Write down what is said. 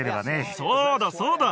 そうだ、そうだ。